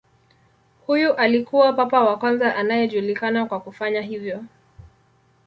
Huyu alikuwa papa wa kwanza anayejulikana kwa kufanya hivyo.